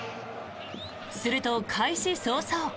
すると、開始早々。